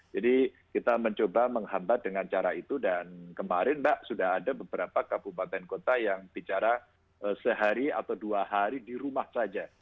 jadi kita mencoba menghambat dengan cara itu dan kemarin mbak sudah ada beberapa kabupaten kota yang bicara sehari atau dua hari di rumah saja